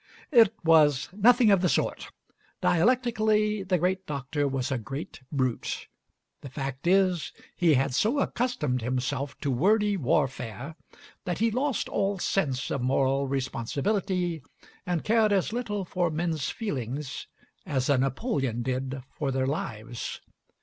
It was nothing of the sort. Dialectically the great Doctor was a great brute. The fact is, he had so accustomed himself to wordy warfare that he lost all sense of moral responsibility, and cared as little for men's feelings as a Napoleon did for their lives.